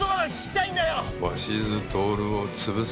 鷲津亨を潰せ。